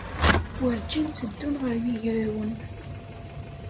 Werǧin tteddun ɣer yigrawen.